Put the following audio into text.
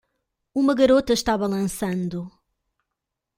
Uma garota está balançando.